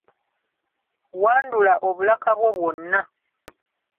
Wandula obulaka bwo bwonna.